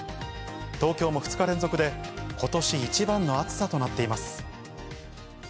東京も２日連続で、ことし一番の暑さとなっています。